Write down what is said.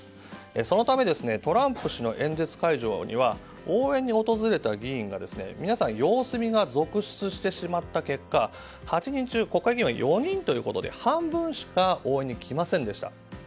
そのためトランプ氏の演説会場には応援に訪れた議員が皆さん、様子見が続出した結果８人中、国会議員は４人ということで半分しか応援に来ませんでした。